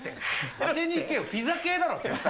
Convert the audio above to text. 当てにいけよ、ピザ系だろ、絶対。